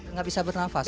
nggak bisa bernafas